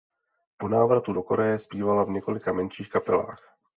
Po návratu do Koreje zpívala v několika menších kapelách.